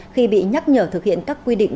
khi bị nhắc nhở thực hiện các quy định